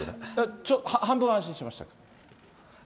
半分安心しました？